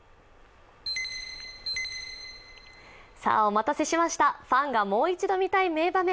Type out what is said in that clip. お待たせしました、ファンがもう一度見たい名場面。